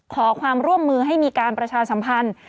ขอความร่วมมือให้มีการประชาสัมพันธ์